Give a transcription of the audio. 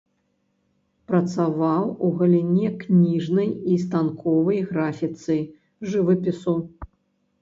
Працаваў у галіне кніжнай і станковай графіцы, жывапісу.